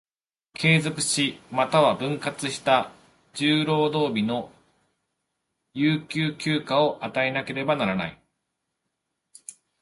継続し、又は分割した十労働日の有給休暇を与えなければならない。